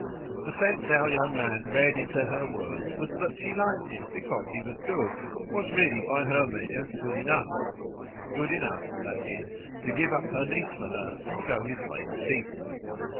The sense our young man read into her words was that she liked him because he was good was really by her measure good enough: good enough that is to give up her niece for her and go his way in peace.